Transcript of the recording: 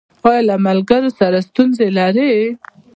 ایا له ملګرو سره ستونزې لرئ؟